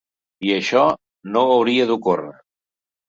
I això no hauria d’ocórrer.